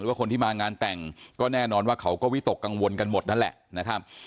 ว่าคนที่มางานแต่งก็แน่นอนว่าเขาก็วิตกกังวลกันหมดนั่นแหละนะครับ